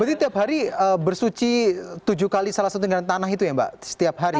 berarti tiap hari bersuci tujuh kali salah satu dengan tanah itu ya mbak setiap hari